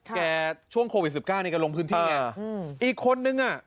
แกช่วงโควิด๑๙เนี่ยก็ลงพื้นที่เนี่ยอีกคนนึงอ่ะ